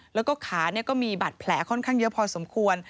แล้วก็ขาก็มีบาดแผลค่อนข้างเยอะพอสมควร